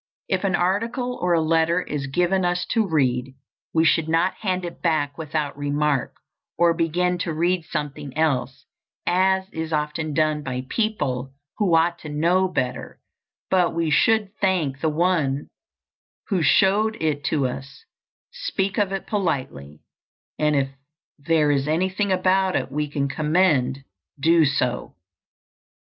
If an article or a letter is given us to read, we should not hand it back without remark, or begin to read something else, as is often done by people who ought to know better, but we should thank the one who showed it to us, speak of it politely, and if there is anything about it we can commend, do so.